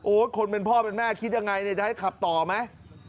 โอ้คนเป็นพ่อเป็นแม่คิดอย่างไรจะให้ขับต่อไหม